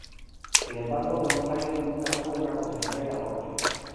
Sin embargo, Tom Hayden nunca tuvo una concesionaria Porsche.